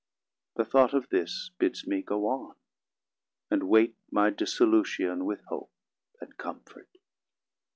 The thought of this bids me go on, And wait my dissolution With hope and comfort.